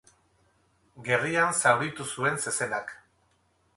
Gerrian zauritu zuen zezenak.